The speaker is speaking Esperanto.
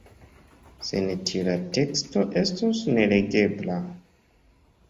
Sen tio la teksto estus nelegebla.